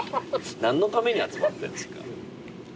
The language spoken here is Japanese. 何のために集まってんですか。